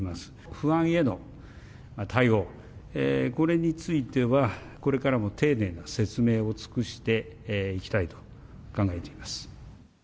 不安への対応、これについては、これからも丁寧な説明を尽くしていきたいと考えています。